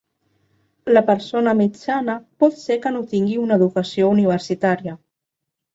La persona mitjana pot ser que no tingui una educació universitària.